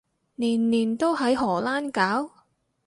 年年都喺荷蘭搞？